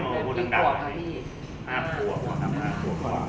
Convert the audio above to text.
ห้าขัว